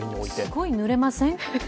すごいぬれません？